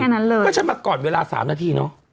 นั้นเลยก็ฉันมาก่อนเวลา๓นาทีเนอะ